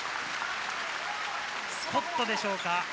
スコットでしょうか？